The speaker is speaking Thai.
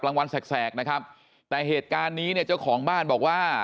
วันแสกนะครับแต่เหตุการณ์นี้เนี่ยเจ้าของบ้านบอกว่า